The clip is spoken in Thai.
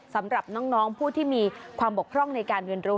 สำหรับน้องผู้ที่มีความบกพร่องในการเรียนรู้